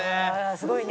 「すごいね」